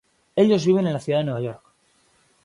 Ellos viven en la ciudad de Nueva York.